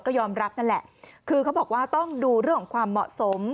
ก็ยอมรับนั่นแหละคือเขาบอกว่าต้องดูเรื่องของความเหมาะสม